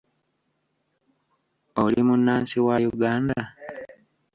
Oli munnansi wa Uganda?